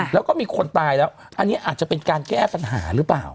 แล้วก็มีคนตายแล้วอันนี้อาจจะเป็นการแก้ปัญหาหรือเปล่า